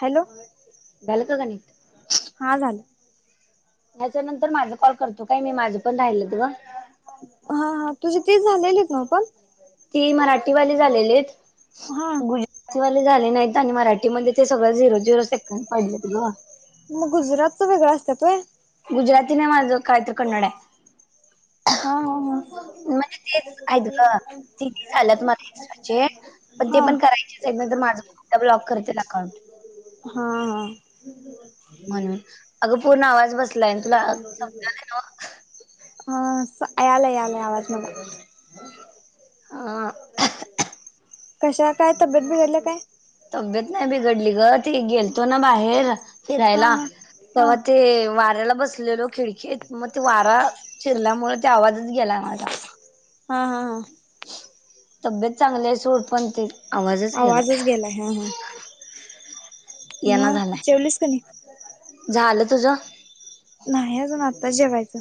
Hello झालं का गणित हा झालं. ह्यच्या नंतर माझा कॉल करतो काय मी माझं पण राहिलेत ग तुझी तीच झालेलीत नव्ह पण ती मराठीवाली झालेलीत हा [unintelligible] झाले नाही आणि मराठीमध्ये ते सगळं झिरो झिरो सेकंद पडलेत ग मग गुजरातच वेगळ असतात व्हय गुजराती नाय माझं काय तर कन्नड हाय. हां हां हां म्हणजे तेच आहेत गं तीन झालेत मला एक्स्ट्राचे पण ते हा हा पण करायचेत नायतर माझ सुध्दा ब्लॉक करतील अकाउंट. हां हा म्हणून अगं पूर्ण आवाज बसलाय तुला समजायलाय नव्ह. हं यालाय यालाय आवाज मला हां कशा काय तब्येत बिघडल्या काय? तब्येत नाय बिघडली गं ते गेलतो ना बाहेर हा फिरायला हा तवा ते वाऱ्याला बस लेलो खिडकीत म ते वारा शिरल्यामुळे ते आवाजच गेलाय माझा. हां हा हा तब्येत चांगली आहे सोड पण ते आवाजच गेलाय यांना मग झालाय, जेवलीस का नाही झालं तुझ नाही अजून आताच जेवायचं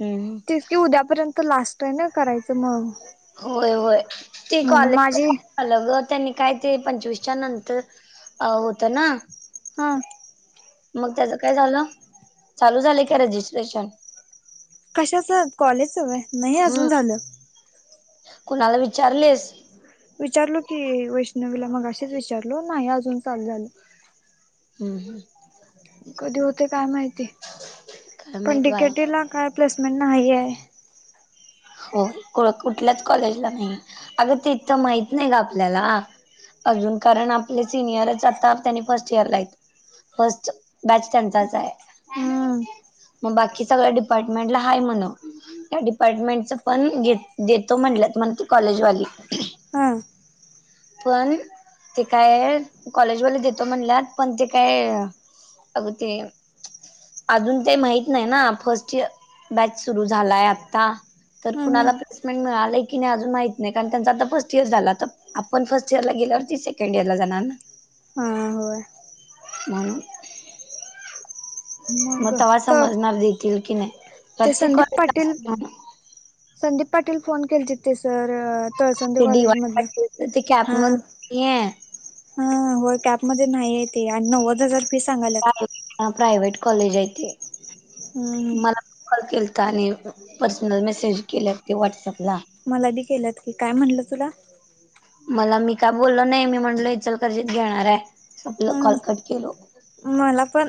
हम्म तिचं की उद्यापर्यंत लास्ट कय नय करायचं मग होय होय ते म्हणून कॉलेज माझी आलं बघ त्यांनी काय ते पंचवीसच्या नंतर अ होत ना हां मग त्याच काय झालं चालू झालंय का रजिस्ट्रेशन? कशाच कॉलेज व्हय नही हम्म अजून झालं. कुणाला विचारलेस विचारलो की वैष्णवीला मगाशीच विचारलो नाही अजून चालू झालं. हं हं कधी होते काय माहिती काय पण माहित डी के बाई टी ला काय प्लेसमेंट नाही आहे. हो को कुठल्याच कॉलेजला नाही अगं तिथलं माहित नाही ना आपल्याला अजून कारण आपले सिनियरच आता त्यांनी फर्स्ट इयरला आहेतं. फर्स्ट बॅच त्यांचाच आहे. हम्म मग बाकी सगळ्या डिपार्टमेंटला हाये म्हणव त्या डिपार्टमेंट पण दे देतो म्हणल्यात म्हणजे कॉलेज वाली हा पण ते काय कॉलेजवाले देतो म्हणलात पण ते काय अग ते अजून ते माहित नाय ना फर्स्ट इयर बॅच सुरू झालाय आता तर हम्म हम्म कुणाला प्लेसमेंट मिळालेय की नाही अजून माहित नाही कारण त्यांचा आता फर्स्ट इयर झाल आता आपण फर्स्ट इयर ला गेल्यावर ती सेकंड इयर ला जाणार ना. हा होय म्हणून म मग तेव्हा तर समजणार देतील की नाय ते प्रत्येक संदीप पाटील कॉलेजला [unintelligible] संदीप पाटील फोन केले तेचं तर तळसंद ते डी कॉलेज वाय मधनं पाटील ते कॅप मध हां नाहीये हां हां होय कॅपमध्ये नाहीयेत आणि नव्वद हजार फी सांगाल्यात. प्रायव्हेट कॉलेज आहे ते हम्म मला कॉल केल त्याने पर्सनल मेसेज केल्यात ते व्हॉट्सअपला मला बी केल्यात की काय म्हणलं तुला मला मी काय बोलल नाही मी म्हणटल हचल कर्शीित घेणार आहे सपलं हम्म कॉलकट केलो मला पण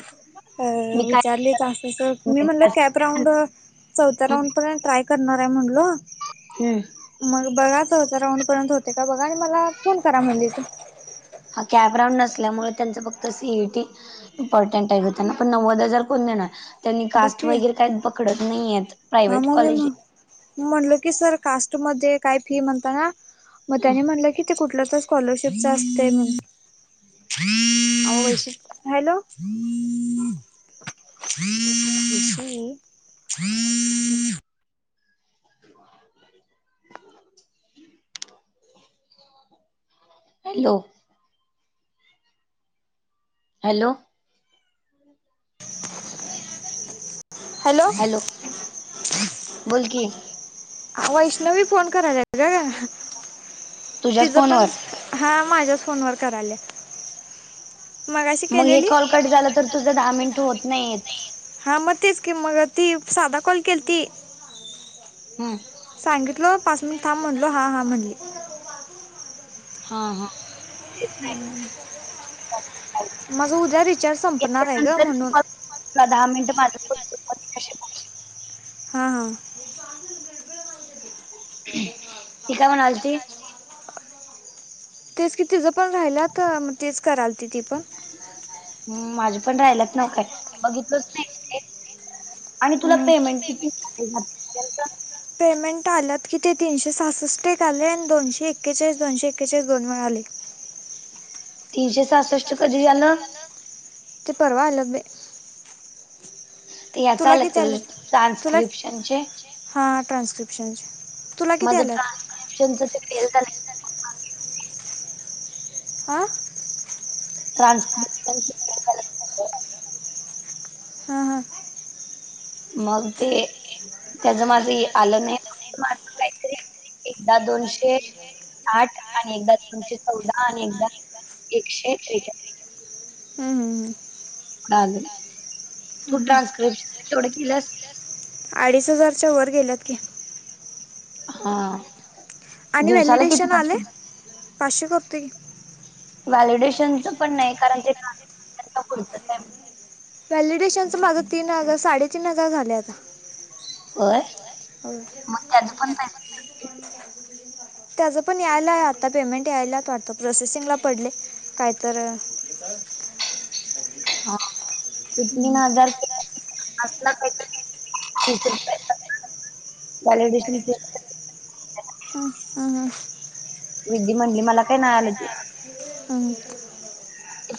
अ मी काय विचारली तं मी म्हणलं कॅप राऊंड चौथ्या राऊंड पण ट्राय म्हल हम्म. म ब राऊंड पर्यंत होते का बघा आणि मला फोन करा म्हणली त हा कॅप रांड नसल्यामुळे त्यांच फक्त सीईटी इम्पॉर्टंट आहे होना पण नव्वद हजार को त्यां बघ कास्ट की वगैरे काही पकडत नाही हा प्रायवट मग कॉलेज मी म्हणलो की सर कास्ट मध्ये काय फी म्हणता ना मग त्यानी म्हटलं की ते कुठलं तर स्कॉलरशिपच असते हॅलो ह ह हॅलो हॅलो ह हॅलो बोलकी वैष्णवी फोन करायला का ग तुझ्याच तिच पण फोनवर हा माझ्या फोनवर करा मग हे कॉल कट झालं तर तुझं दहा मिनिट होत नाहीेत हा मग तेच की मग ती साधा कॉल केली ती हम्म सांगितलो पाच मिनिट थांबा ब म्हणलो हा हा म्हणले हा हा तेच नाही हम्म माझा उद्या रिचार्ज संपणार आहे ग म्हणून श हा हा ह म्हणा तेच कि तिझं पण राहिलं तर मग तेच कराल हम् माझे पण राहिलाच नव काय बघितलंच नाही आणि तुला हम्म. पेमेंट कितीच पेमेंट आल्यात की ते तीनशे सासष्ट आले आणि दोनशे एक्केचाळीस दोनशे एक्केचाळीस दोन मिे आले ह तीनशे सासष्टष्ट कधी झालं ते परवा आल्यात बाई तर या चालत का तुझे तुला ट्रान्स्क्रिप्शनचे हां ट्रान्स्क्रिप्शनचे तुला किती माझं आल्यात ट्रान्सशनच फेल झा आा ट्रसश हा हा मग ते त्याच माझं आलं नाही माझ काहीतरी एकदा दोनशे साठ आठ आणि एकदा दोनशे अनेक चौदा आणि एकदा चौदा एकशे अनेक त्रेचाळीस एकशे तू हम्म, हम्म. ट्रान्स्क्रिप्शन तेवढं केलंस अडीच हजारच्या वर गेल्यात की हा आणि दिवसाला किती व्हॅलिडेशन आले करतेस पाचशे करतोय की व्हॅलिडेशनचं पण नाही कारण ते पुरत आहे व्हॅलिडेशनचं माझं तीन हजार साडेतीन हजार झाले आता होय हो मग त्याच पण त्याचं पण यायला आता पेमेंट यायलात वाटतं प्रोसेसिंगला पडले काय तर [inaudible] हा ते तीन हं, हजार असला कायतरी तिसरूपये वॅलीडेशन हम ह विध्दि म्हटली मला काय नाही आलं ते हं.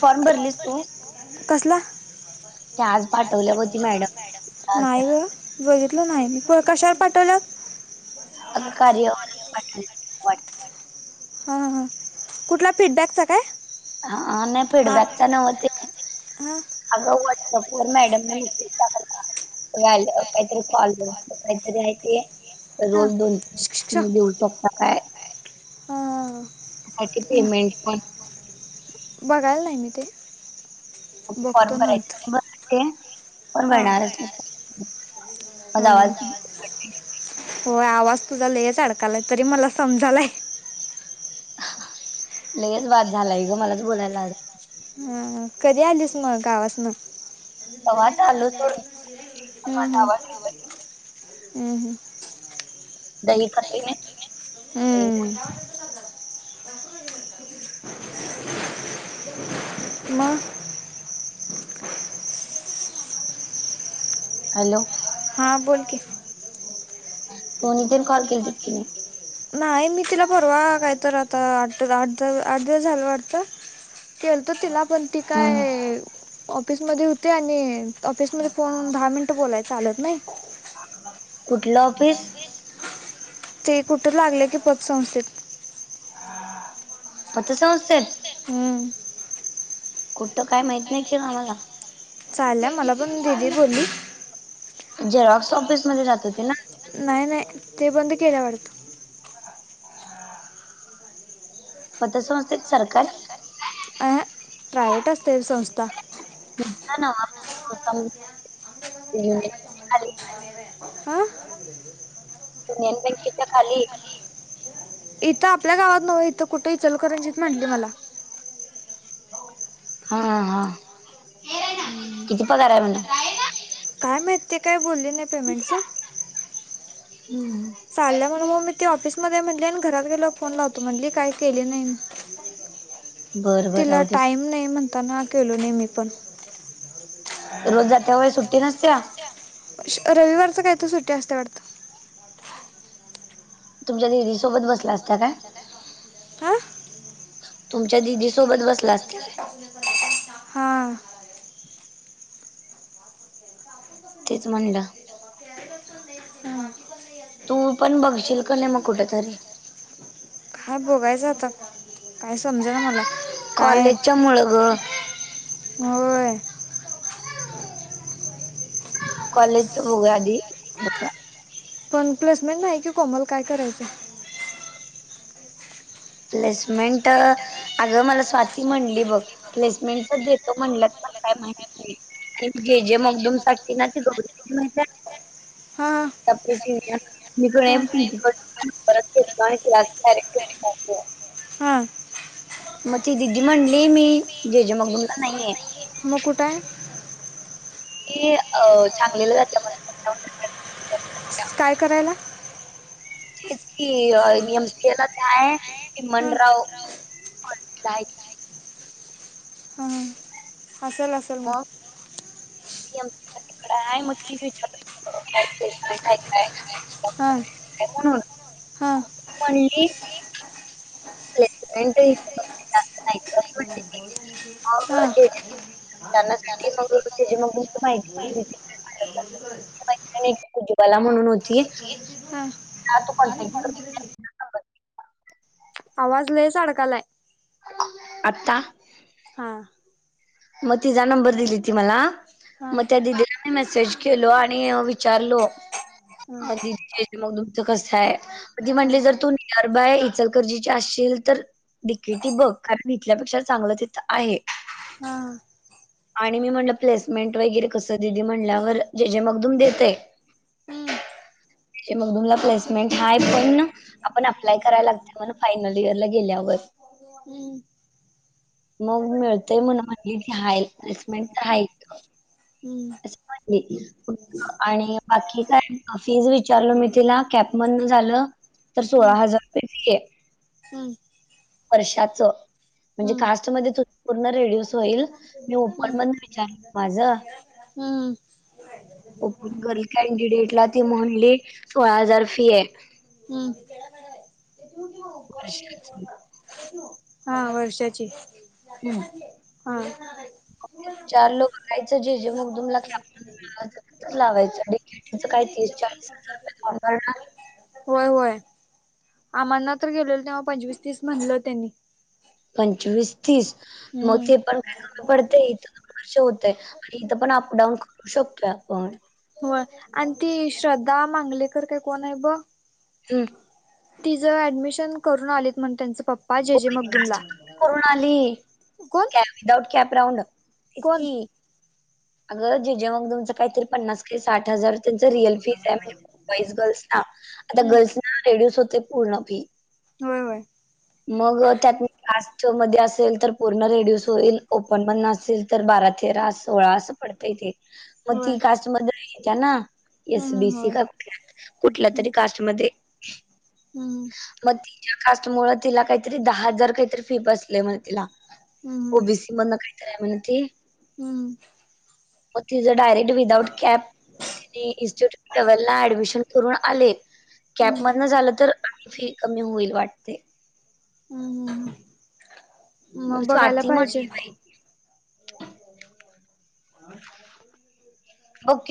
फॉर्म भरलीस तू कसला ते आज पाठवल्या होती मॅडम नाही ग बघितलं नाही मी क काशावर पा कार्य पाठ वाट हा हा कुठला फीडबॅकचा काय हा नाही हां फिडबॅक च नव्ह ते हां हां अग नपूर मॅडम नि मेसेज टाकला [inaudible] काहीतरी कॉल काहीतरी आहे ते तर रोज दोन श- श- श. तुम्ही देऊ शकता काय हां [inaudible] हां. पेमेंट पण बघायला नाही मी ते बघतो फॉर्म भरायचाय नंतर ते बघते [inaudible] हां अला आवाज हां होय आवाज तुझा लयेच अडकालाय तरी मला समजालाय लच बाद झालाय ग मलाच बोलायला आ हं कधी आलीस मग गावास न तेव्हा चालू सोड पण हम्म माझा हम्म आवाज हम्म हम्म दही खातोय मी हमंम मग हॅलो हा बोल की तो नितीला कॉल केलीतस की नाही नाही मी तिला परवा कायतर आता आठ आठ दिवस झालं वाटत केलतो तिला पण ती हम्म काय ऑफिसमध्ये होती आणि ऑफिसमध्ये फोन दहा मिनटं बोलाय चालत नाही कुठलं ऑफिस? ते कुठे लागले की पतसंस्थेत पतसंस्थेत हं. कुठतं काय माहित नाही के ग आम्हाला. चालल्या मला पण दिदी बोली. झेरॉक्स ऑफिसमध्ये जात होती ना? नाही नाही ते बंद केल्या वाटत. पतसंस्थेत सरकारी प्रायवेट असेल संस्था. तस न्हव संस्था [inaudible] हां युनियन बँकेच्या खाली इथं आपल्या गावात नवं इथं कुठं इचलकरंजीत म्हांडली मला. हा हा किती पगार आहे म्हण काय ते काय बोलले नाही पेमेंटचं. म्हणा चाललं म्हण मग मी ती ऑफिसमध्ये म्हटली आणि घरात गेलो फोन लावतो म्हणली काही केली नाही. बरं बरं तिला राहू दे टाईम नाही म्हणताना केलो नाही मी पण. रोज जाते व्हय सुट्टी नसत्या? रविवारचं काय तर सुट्टी असत्या वाटतं. तुमच्या दिदी सोबत बसला असता काय? हां तुमच्या दिदी सोबत बसला असत्या काय? हां तेच म्हणलं. हां तू पण बघशील का नाही मग कुठेतरी? हा बोघायचं आता काय समजा ना मला. काय कॉलेजच्या मुळ ग. होय. कॉलेज च बघूया आधी. पण प्लेसमेंट नाही कि कोमल काय करायच? प्लेसमेंट अगं मला स्वाती म्हणली बघ प्लेसमेंट पण देतो म्हणल्यात. काय माहिती नाही आणि जे जे मगदुम साठी ना ती गौरी माहित हाय. हा त्या मी की नाय प्रिन्सिपल कड परत केलतो आणि तिलाच हां मग ती दिदी म्हणली मी जे जे मगदुम ला नाहीये. म कुठाय? ते अ सांगलीला जात म्हण कुठं. काय करायला? तेच की एम सी ए लाच हाय हां चिमनराव नाय ती. हां हां असेल असेल मग. पी एम सी ला तिकड हाय म ती विचारत होती प्लेसमेंट हाय काय? हा हा ए [unintelligible] हां त्यांनासाठी मग त्याची मग माहिती दिली. उज्ज्वला म्हणून होती. हां हा तू कॉन्टॅक्ट कर. आवाज लयच अडकालाय आत्ता हां मग तिचा नंबर दिली ती मला हां मग त्या दिदीना मी मेसेज केलो आणि विचारलो हां दीदी मग तुमचं कस आहे ती हां म्हटली जर तू नियर बाय इचलकरंजीची आसशील तर डी के टी बघ कारण इथल्यापेक्षा चांगलं तिथं आहे हा आणि मी म्हणलं प्लेसमेंट वगैरे कसं दिदी म्हणल्यावर जे जे मगदुम देतय हम जे जे मगदूमला प्लेसमेंट हाय पण आपण अप्लाय करायला लागत म्हण फायनल इयरला गेल्यावर हम्म मग मिळतय म्हण म्हणली ती हाय प्लेसमेंट आहे इथं हम्म आणि बाकी काय फी ज विचारल मी तिला कॅप मधनं झालं तर सोळा हजार रुपये फी आहे हम्म हम्म वर्षाच म्हणजे हम्म कास्ट मधेच होत पूर्ण रीड्यूस होईल मी ओपन हम्म मधन विचारल माझ हम्म ओपन गर्ल कॅनडिडेटला ती म्हणली सोळा हजार फी आहे हम कश्याच म हा वर्षाची हम्म हा चार लोक खायचं जे जे मग तुमला ख लावायचं ेटीच काही तीस चाळीस हजार रुपये कान भरणार होय होय आम्हाना तर गेलेल तेव्हा पंचवीस तीस म्हणलं त्यांनी पंचवीस तीस मग हम्म ते पण काय कमी पडते इथ दोन वर्ष होत आणि इथ पण अपडाऊन करू शकतोय आपण होय आणि ती श्रद्धा मांगलेकर काय कोण आहे ब हम तिचं ऍडमिशन करून आलेत मण त्यांच पप्पा जे हो, जे मग तुमला करून विदाउट कॅप कोण राउंडसकी अगं जेजे मग तुमचं काहीतरी पन्नास काही साठ हजार त्यांच रिअल फी आहे म्हणजे बॉईस गर्ल्स ना आता हम्म गर्ल्स ना रेड्युस होते पूर्ण फी होय होय मग त्यात मध्ये असेल तर पूर्ण रेडस होईल ओपन पण नसेल तर बारा तेरा सोळा असं पडतय ते मग होय ती कास् मद येत्या ना हम्म हम्म एसबीसी होय का कुठ कुठला तरी कास्ट मध्ये हम्म मग तिच्या कास्ट मु तिला काहीतरी दहा हजार काहीतरी फी बसले म तिला हम्म हम्म ओबीसी मधन काहीत आहे म्हण ते हम मग तिझं डायरेक्ट विदाउट कॅब तिने इन्स्टिट्यूट लेव्हलला ऍडमिशन करून आले हम्म हम्म कॅपमधन झालं तर आण्खी फी कमी होईल वाटते हम्म हम्म मग बघायला स्वाती म्हण पाहिजे ओके